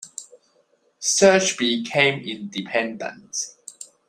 Search became independent.